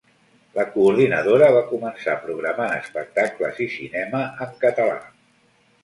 La coordinadora va començar programant espectacles i cinema en català.